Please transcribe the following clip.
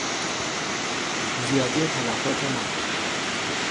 زیادی تلفات ما